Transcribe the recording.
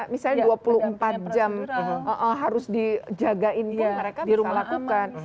misalnya dua puluh empat jam harus dijagain pun mereka bisa lakukan